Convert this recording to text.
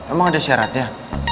emang ada syarat ya